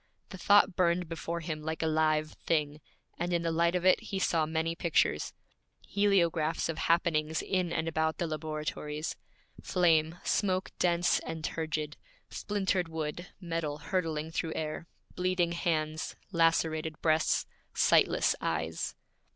The thought burned before him like a live thing; and in the light of it he saw many pictures heliographs of happenings in and about the laboratories: flame, smoke dense and turgid, splintered wood, metal hurtling through air, bleeding hands, lacerated breasts, sightless eyes.